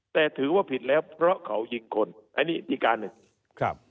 แต่ถือว่าผิดแล้วเพราะเขายิงคนอันนี้อีกการหนึ่งครับ